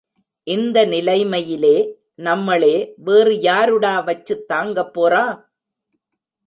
இந்த நிலைமையிலே நம்மளே வேறே யாருடா வச்சுத் தாங்கப் போறா?